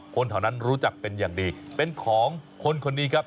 คนแถวนั้นรู้จักเป็นอย่างดีเป็นของคนคนนี้ครับ